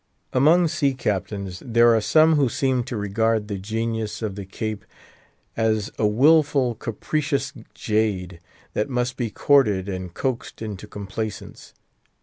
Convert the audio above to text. Among sea captains, there are some who seem to regard the genius of the Cape as a wilful, capricious jade, that must be courted and coaxed into complaisance.